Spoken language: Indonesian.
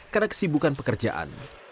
karena kesibukan pekerjaan